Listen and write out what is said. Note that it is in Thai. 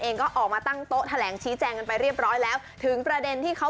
เองก็ออกมาตั้งโต๊ะแถลงชี้แจงกันไปเรียบร้อยแล้วถึงประเด็นที่เขา